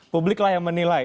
publik lah yang menilai